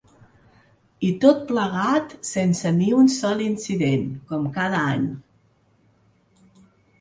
I tot plegat sense ni un sol incident, com cada any.